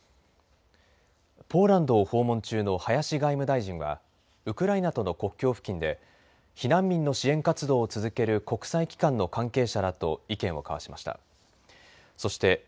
ポーランドを訪問中の林外務大臣はウクライナとの国境付近で避難民の支援活動を続ける国際機関の関係者らと意見を交わしました。